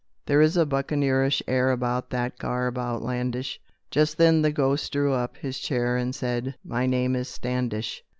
There is a buccaneerish air About that garb outlandish Just then the ghost drew up his chair And said "My name is Standish.